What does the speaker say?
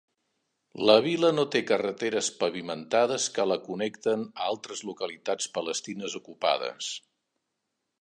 La vila no té carreteres pavimentades que la connecten a altres localitats palestines ocupades.